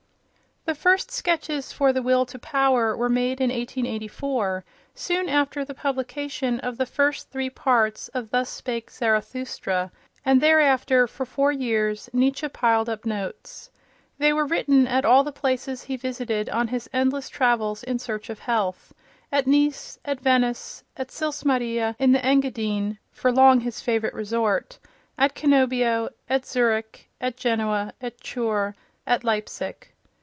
The first sketches for "The Will to Power" were made in 1884, soon after the publication of the first three parts of "Thus Spake Zarathustra," and thereafter, for four years, Nietzsche piled up notes. They were written at all the places he visited on his endless travels in search of health—at Nice, at Venice, at Sils Maria in the Engadine (for long his favourite resort), at Cannobio, at Zürich, at Genoa, at Chur, at Leipzig.